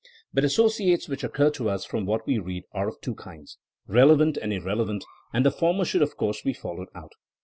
But associates which occur to us from what we read are of two kinds : relevant and irrelevant, and the former should of course be followed out.